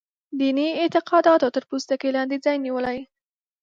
دیني اعتقاداتو تر پوستکي لاندې ځای نیولی.